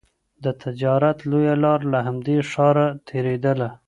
د تجارت لویه لاره له همدې ښاره تېرېدله.